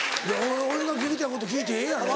俺が聞きたいこと聞いてええやろ。